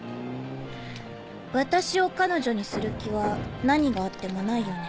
私を彼女にする気は何があってもないよね？